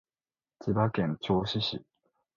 千葉県銚子市